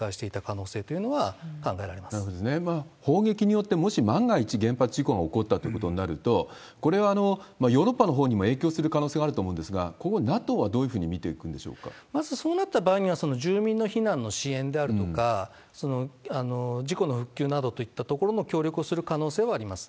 砲撃によって、万が一原発事故が起こったということになると、これはヨーロッパのほうにも影響する可能性があると思うんですが、ここ、ＮＡＴＯはどういうふうに見ていくんでしょまずそうなった場合には、住民の避難の支援であるとか、事故の復旧などといったところの協力をする可能性はあります。